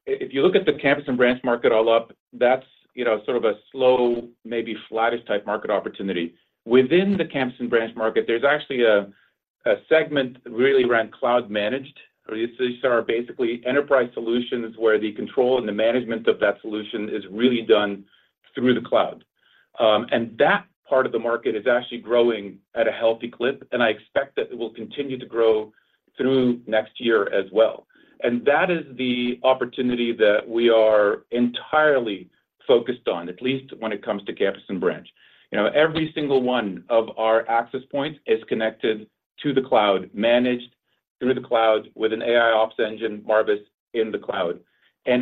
if you look at the campus and branch market all up, that's, you know, sort of a slow, maybe flattish type market opportunity. Within the campus and branch market, there's actually a segment really around cloud managed. These are basically enterprise solutions, where the control and the management of that solution is really done through the cloud. And that part of the market is actually growing at a healthy clip, and I expect that it will continue to grow through next year as well. And that is the opportunity that we are entirely focused on, at least when it comes to campus and branch. You know, every single one of our access points is connected to the cloud, managed through the cloud with an AIOps engine, Marvis, in the cloud.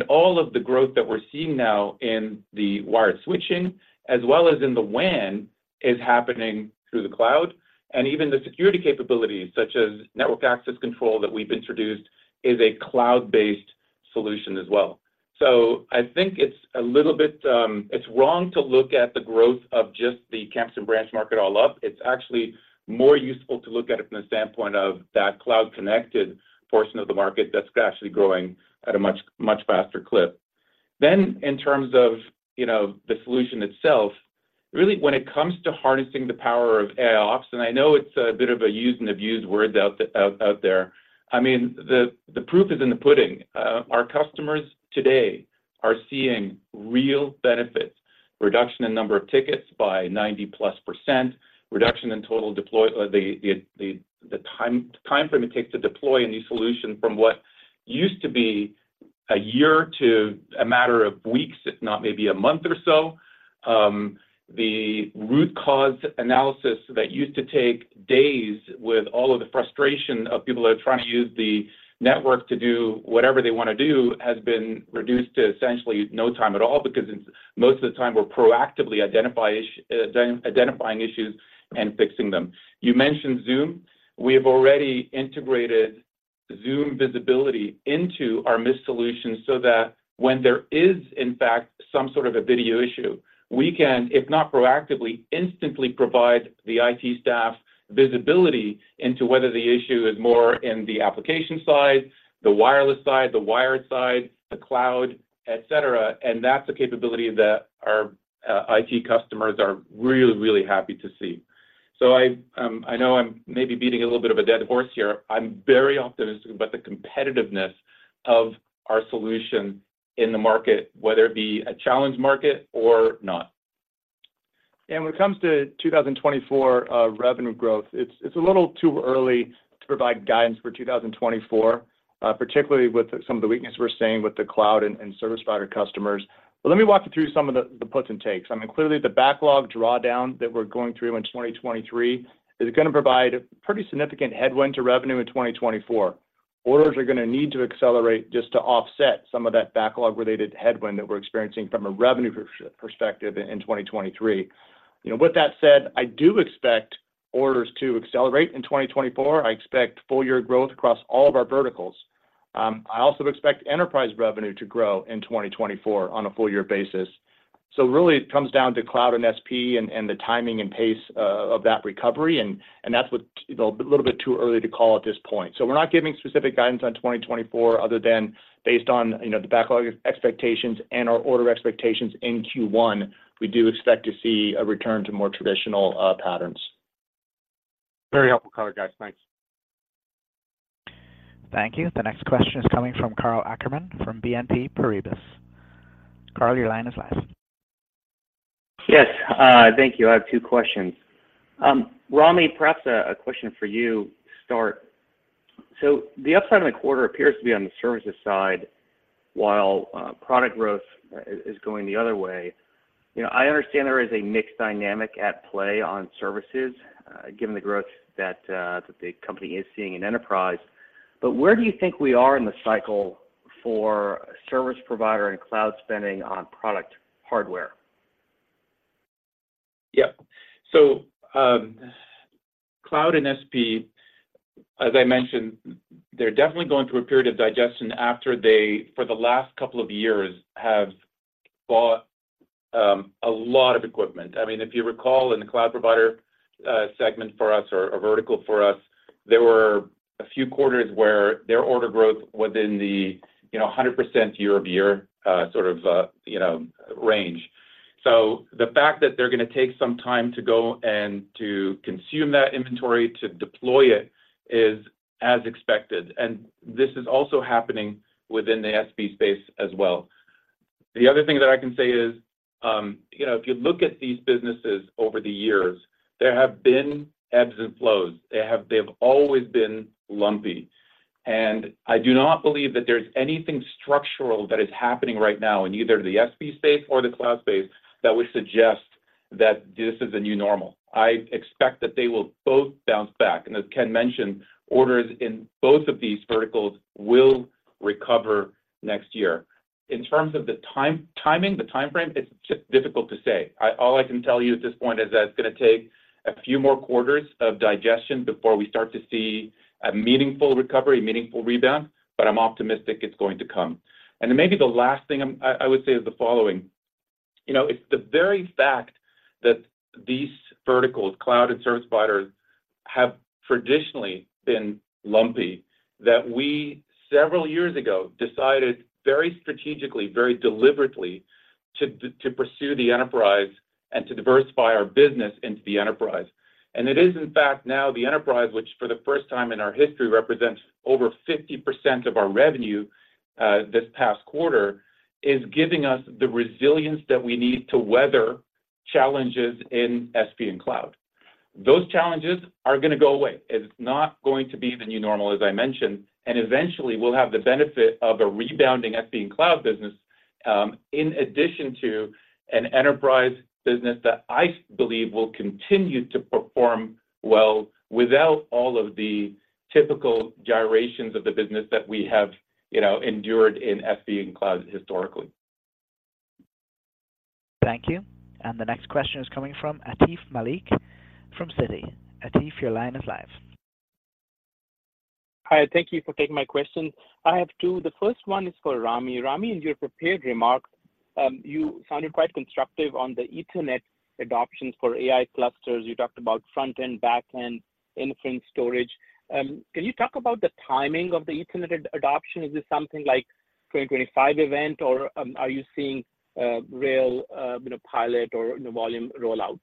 All of the growth that we're seeing now in the wired switching, as well as in the WAN, is happening through the cloud. Even the security capabilities, such as network access control that we've introduced, is a cloud-based solution as well. I think it's a little bit. It's wrong to look at the growth of just the campus and branch market all up. It's actually more useful to look at it from the standpoint of that cloud-connected portion of the market that's actually growing at a much, much faster clip. In terms of, you know, the solution itself, really, when it comes to harnessing the power of AIOps, and I know it's a bit of a used and abused word out there, I mean, the proof is in the pudding. Our customers today are seeing real benefits, reduction in number of tickets by 90%+, reduction in total time frame it takes to deploy a new solution from what used to be a year to a matter of weeks, if not maybe a month or so. The root cause analysis that used to take days, with all of the frustration of people that are trying to use the network to do whatever they want to do, has been reduced to essentially no time at all, because in most of the time, we're proactively identify issue, identifying issues and fixing them. You mentioned Zoom. We have already integrated Zoom visibility into our Mist solution so that when there is, in fact, some sort of a video issue, we can, if not proactively, instantly provide the IT staff visibility into whether the issue is more in the application side, the wireless side, the wired side, the cloud, et cetera. And that's a capability that our IT customers are really, really happy to see. So I know I'm maybe beating a little bit of a dead horse here. I'm very optimistic about the competitiveness of our solution in the market, whether it be a challenge market or not. When it comes to 2024, revenue growth, it's a little too early to provide guidance for 2024, particularly with some of the weakness we're seeing with the cloud and service provider customers. Let me walk you through some of the puts and takes. I mean, clearly, the backlog drawdown that we're going through in 2023 is going to provide a pretty significant headwind to revenue in 2024. Orders are going to need to accelerate just to offset some of that backlog-related headwind that we're experiencing from a revenue perspective in 2023. You know, with that said, I do expect orders to accelerate in 2024. I expect full year growth across all of our verticals. I also expect enterprise revenue to grow in 2024 on a full year basis. So really it comes down to cloud and SP and the timing and pace of that recovery, and that's what, you know, a little bit too early to call at this point. So we're not giving specific guidance on 2024 other than based on, you know, the backlog expectations and our order expectations in Q1, we do expect to see a return to more traditional patterns. Very helpful color, guys. Thanks. Thank you. The next question is coming from Karl Ackerman from BNP Paribas. Karl, your line is live. Yes, thank you. I have two questions. Rami, perhaps a question for you to start. So the upside of the quarter appears to be on the services side, while product growth is going the other way. You know, I understand there is a mixed dynamic at play on services, given the growth that the company is seeing in enterprise, but where do you think we are in the cycle for service provider and cloud spending on product hardware? Yeah. So, cloud and SP, as I mentioned, they're definitely going through a period of digestion after they, for the last couple of years, have bought a lot of equipment. I mean, if you recall in the cloud provider segment for us, or a vertical for us, there were a few quarters where their order growth was in the, you know, 100% year-over-year, sort of, you know, range. So the fact that they're going to take some time to go and to consume that inventory, to deploy it, is as expected, and this is also happening within the SP space as well. The other thing that I can say is, you know, if you look at these businesses over the years, there have been ebbs and flows. They've always been lumpy. I do not believe that there's anything structural that is happening right now in either the SP space or the cloud space that would suggest that this is the new normal. I expect that they will both bounce back, and as Ken mentioned, orders in both of these verticals will recover next year. In terms of the timing, the time frame, it's difficult to say. All I can tell you at this point is that it's going to take a few more quarters of digestion before we start to see a meaningful recovery, meaningful rebound, but I'm optimistic it's going to come. Maybe the last thing I would say is the following: You know, it's the very fact that these verticals, cloud and service providers, have traditionally been lumpy, that we, several years ago, decided very strategically, very deliberately, to pursue the enterprise and to diversify our business into the enterprise. And it is, in fact, now the enterprise, which for the first time in our history, represents over 50% of our revenue, this past quarter, is giving us the resilience that we need to weather challenges in SP and cloud. Those challenges are going to go away. It's not going to be the new normal, as I mentioned, and eventually we'll have the benefit of a rebounding SP and cloud business, in addition to an enterprise business that I believe will continue to perform well without all of the typical gyrations of the business that we have, you know, endured in SP and cloud historically. Thank you. The next question is coming from Atif Malik from Citi. Atif, your line is live. Hi, thank you for taking my question. I have two. The first one is for Rami. Rami, in your prepared remarks, you sounded quite constructive on the Ethernet adoptions for AI clusters. You talked about front-end, back-end, inference storage. Can you talk about the timing of the Ethernet adoption? Is this something like 2025 event, or are you seeing a real, you know, pilot or volume rollout?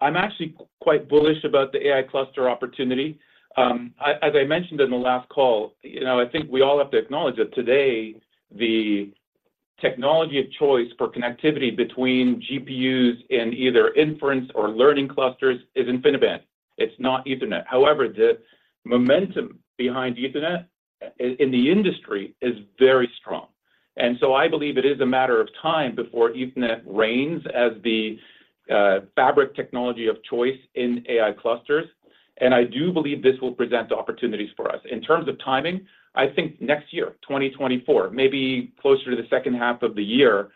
I'm actually quite bullish about the AI cluster opportunity. I, as I mentioned in the last call, you know, I think we all have to acknowledge that today, the technology of choice for connectivity between GPUs in either inference or learning clusters is InfiniBand. It's not Ethernet. However, the momentum behind Ethernet in the industry is very strong, and so I believe it is a matter of time before Ethernet reigns as the fabric technology of choice in AI clusters. I do believe this will present opportunities for us. In terms of timing, I think next year, 2024, maybe closer to the second half of the year.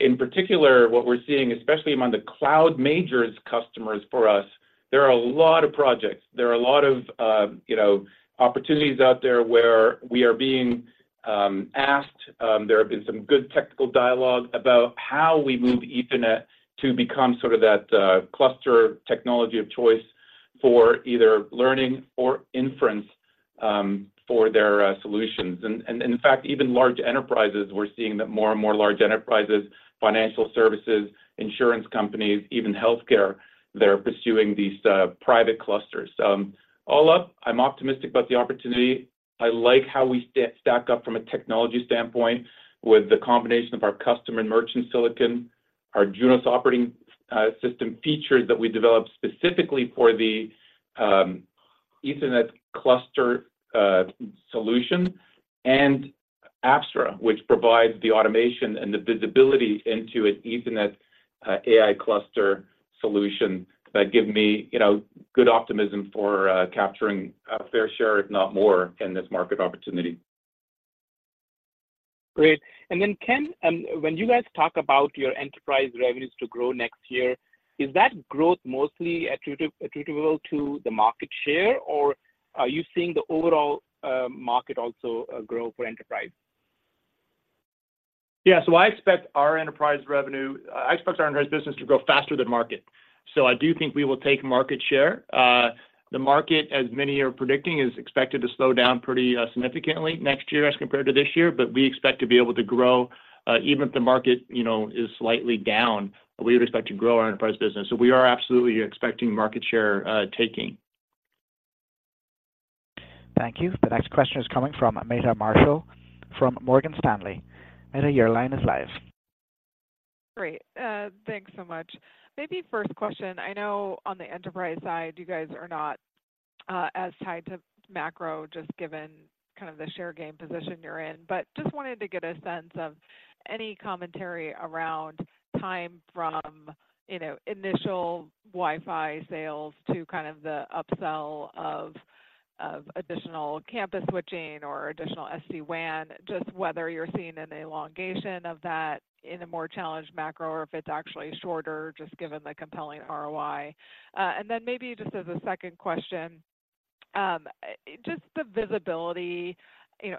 In particular, what we're seeing, especially among the cloud majors customers for us, there are a lot of projects. There are a lot of, you know, opportunities out there where we are being asked, there have been some good technical dialogue about how we move Ethernet to become sort of that, cluster technology of choice for either learning or inference, for their, solutions. And, and in fact, even large enterprises, we're seeing that more and more large enterprises, financial services, insurance companies, even healthcare, they're pursuing these, private clusters. All up, I'm optimistic about the opportunity. I like how we stack up from a technology standpoint with the combination of our customer and merchant silicon, our Junos operating system features that we developed specifically for the Ethernet cluster solution, and Apstra, which provides the automation and the visibility into an Ethernet AI cluster solution that give me, you know, good optimism for capturing a fair share, if not more, in this market opportunity. Great. And then, Ken, when you guys talk about your enterprise revenues to grow next year, is that growth mostly attributable to the market share, or are you seeing the overall market also grow for enterprise? Yeah, I expect our enterprise revenue, I expect our enterprise business to grow faster than market. I do think we will take market share. The market, as many are predicting, is expected to slow down pretty significantly next year as compared to this year. We expect to be able to grow, even if the market, you know, is slightly down, we would expect to grow our enterprise business. We are absolutely expecting market share taking. Thank you. The next question is coming from Meta Marshall from Morgan Stanley. Meta, your line is live. Great. Thanks so much. Maybe first question, I know on the enterprise side, you guys are not as tied to macro, just given kind of the share game position you're in. But just wanted to get a sense of any commentary around time from, you know, initial Wi-Fi sales to kind of the upsell of additional campus switching or additional SD-WAN, just whether you're seeing an elongation of that in a more challenged macro, or if it's actually shorter, just given the compelling ROI. Maybe just as a second question, you know,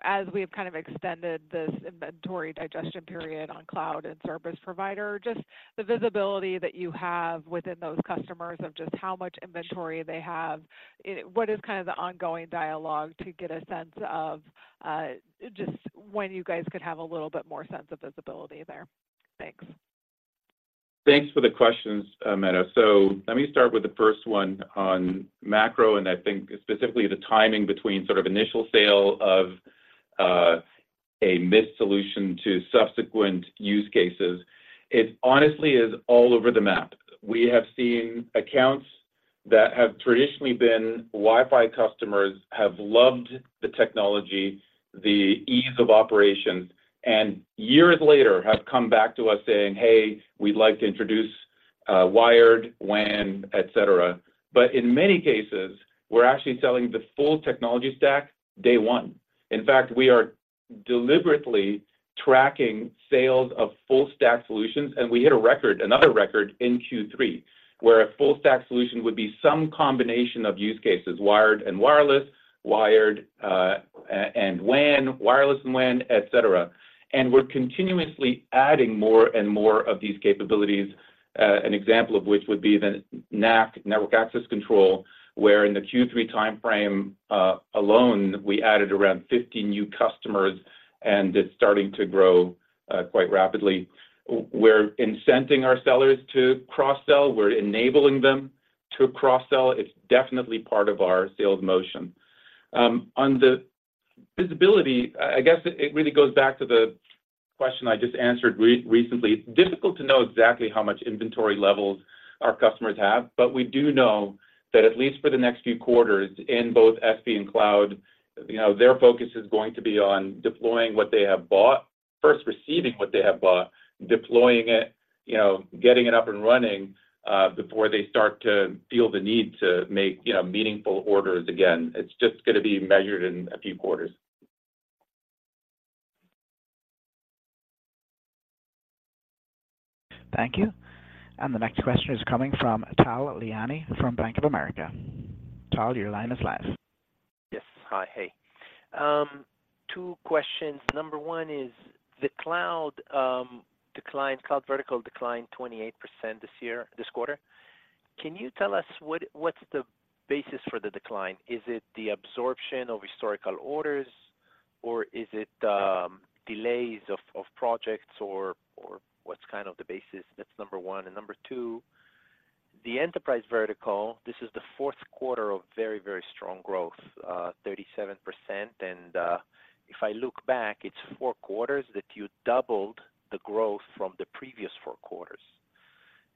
as we've kind of extended this inventory digestion period on cloud and service provider, just the visibility that you have within those customers of just how much inventory they have, what is kind of the ongoing dialogue to get a sense of, you know, just when you guys could have a little bit more sense of visibility there? Thanks. Thanks for the questions, Meta. So let me start with the first one on macro, and I think specifically the timing between sort of initial sale of a Mist solution to subsequent use cases. It honestly is all over the map. We have seen accounts that have traditionally been Wi-Fi customers, have loved the technology, the ease of operations, and years later have come back to us saying, "Hey, we'd like to introduce wired WAN," etc. But in many cases, we're actually selling the full technology stack day one. In fact, we are deliberately tracking sales of full stack solutions, and we hit a record, another record in Q3, where a full stack solution would be some combination of use cases, wired and wireless, wired and WAN, wireless and WAN, et cetera. And we're continuously adding more and more of these capabilities, an example of which would be the NAC, Network Access Control, where in the Q3 timeframe alone, we added around 50 new customers, and it's starting to grow quite rapidly. We're incenting our sellers to cross-sell. We're enabling them to cross-sell. It's definitely part of our sales motion. On the visibility, I guess it really goes back to the question I just answered recently. It's difficult to know exactly how much inventory levels our customers have, but we do know that at least for the next few quarters, in both SP and cloud, you know, their focus is going to be on deploying what they have bought, first receiving what they have bought, deploying it, you know, getting it up and running, before they start to feel the need to make, you know, meaningful orders again. It's just gonna be measured in a few quarters. Thank you. The next question is coming from Tal Liani from Bank of America. Tal, your line is live. Yes. Hi. Hey. Two questions. Number one is the cloud decline, cloud vertical declined 28% this year, this quarter. Can you tell us what, what's the basis for the decline? Is it the absorption of historical orders, or is it delays of projects or what's kind of the basis? That's number one. And number two, the enterprise vertical, this is the Q4 of very, very strong growth, 37%. And if I look back, it's four quarters that you doubled the growth from the previous four quarters.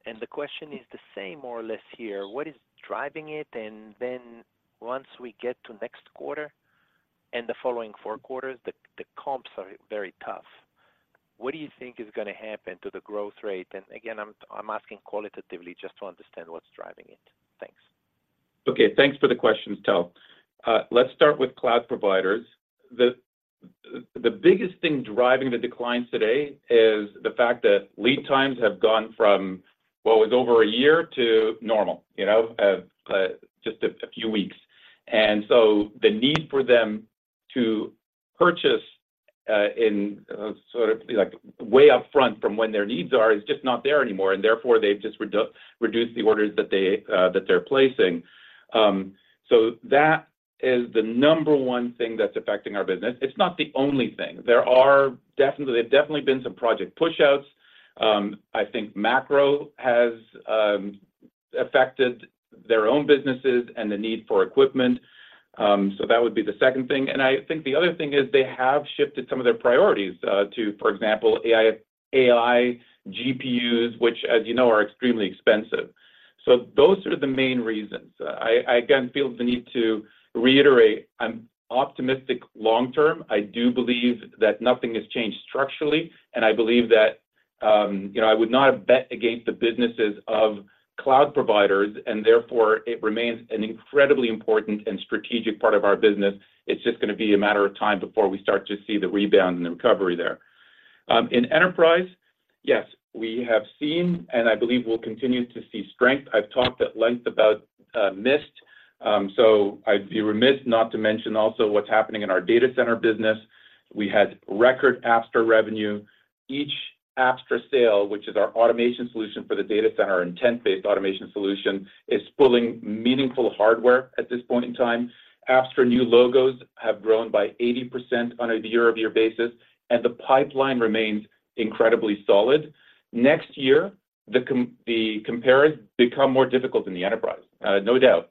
And the question is the same more or less here: What is driving it? And then once we get to next quarter and the following four quarters, the comps are very tough. What do you think is gonna happen to the growth rate? I'm asking qualitatively just to understand what's driving it. Thanks. Okay, thanks for the questions, Tal. Let's start with cloud providers. The biggest thing driving the decline today is the fact that lead times have gone from what was over a year to normal, you know, just a few weeks. And so the need for them to purchase in sort of like way upfront from when their needs are is just not there anymore, and therefore, they've just reduced the orders that they're placing. So that is the number one thing that's affecting our business. It's not the only thing. There have definitely been some project pushouts. I think macro has affected their own businesses and the need for equipment, so that would be the second thing. And I think the other thing is they have shifted some of their priorities to, for example, AI, AI, GPUs, which, as you know, are extremely expensive. So those are the main reasons. I again feel the need to reiterate, I'm optimistic long term. I do believe that nothing has changed structurally, and I believe that you know, I would not have bet against the businesses of cloud providers, and therefore, it remains an incredibly important and strategic part of our business. It's just gonna be a matter of time before we start to see the rebound and the recovery there. In enterprise, yes, we have seen, and I believe we'll continue to see strength. I've talked at length about Mist, so I'd be remiss not to mention also what's happening in our data center business. We had record Apstra revenue. Each Apstra sale, which is our automation solution for the data center, intent-based automation solution, is pulling meaningful hardware at this point in time. Apstra new logos have grown by 80% on a year-over-year basis, and the pipeline remains incredibly solid. Next year, the comparisons become more difficult in the enterprise, no doubt.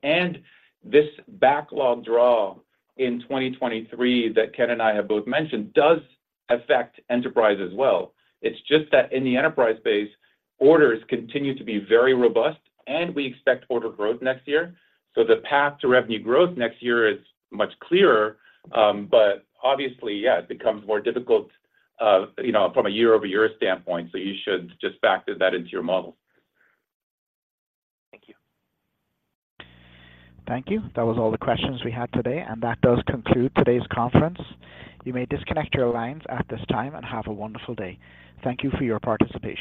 This backlog draw in 2023 that Ken and I have both mentioned does affect enterprise as well. It's just that in the enterprise space, orders continue to be very robust, and we expect order growth next year. The path to revenue growth next year is much clearer, obviously, yeah, it becomes more difficult, you know, from a year-over-year standpoint, so you should just factor that into your model. Thank you. Thank you. That was all the questions we had today, and that does conclude today's conference. You may disconnect your lines at this time and have a wonderful day. Thank you for your participation.